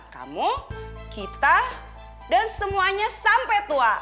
kamu kita dan semuanya sampai tua